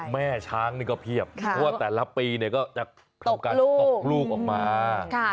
แม่ช้างก็เพียบเพราะว่าแต่ละปีที่จะตกลูกออกมา